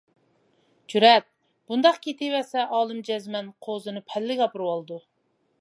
-جۈرئەت، بۇنداق كېتىۋەرسە ئالىم جەزمەن قوزىنى پەللىگە ئاپىرىۋالىدۇ.